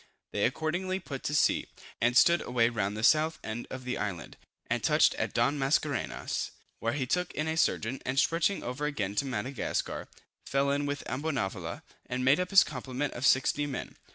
They accordingly put to sea, and stood away round the south end of the island, and touched at Don Mascarenhas, where he took in a surgeon, and stretching over again to Madagascar, fell in with Ambonavoula, and made up his complement of 60 men.